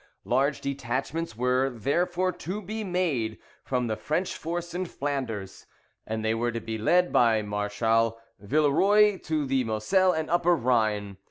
Large detachments were, therefore, to be made from the French force in Flanders, and they were to be led by Marshal Villeroy to the Moselle and Upper Rhine.